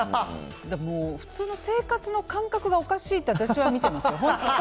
普通の生活の感覚がおかしいって私は見ていますよ。